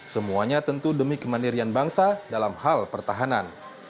semuanya tentu demi kemandirian bangsa dalam hal pertahanan